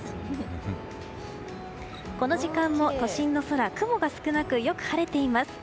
この時間も都心の空雲が少なくよく晴れています。